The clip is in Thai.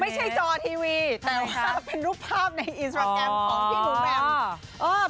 จอทีวีแต่ว่าเป็นรูปภาพในอินสตราแกรมของพี่หนูแบม